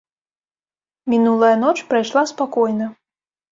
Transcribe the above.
Мінулая ноч прайшла спакойна.